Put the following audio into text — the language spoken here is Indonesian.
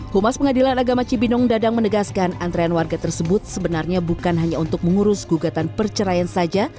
humas pengadilan agama cibinong dadang menegaskan antrean warga tersebut sebenarnya bukan hanya untuk mengurus gugatan perceraian saja